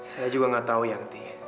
saya juga gak tau yangti